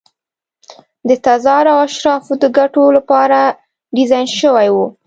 د تزار او اشرافو د ګټو لپاره ډیزاین شوي وو.